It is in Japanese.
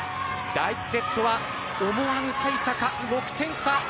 第１セットは思わぬ大差か６点差。